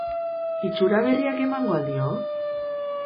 Itxura berriak emango al dio?